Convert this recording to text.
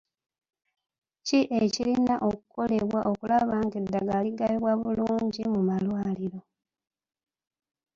Ki ekirina okukolebwa okulaba nga eddagala ligabibwa bulungi mu malwaliro?